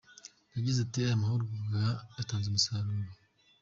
Yagize ati “Aya mahugurwa yatanze umusaruro.